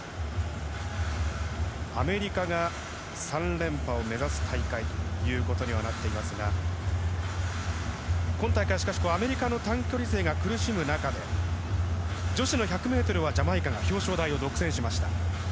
アメリカが３連覇を目指す大会ということになっていますが今大会、しかしアメリカの短距離勢が苦しむ中で女子の１００ｍはジャマイカが表彰台を独占しました。